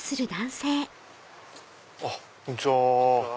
あっこんちは。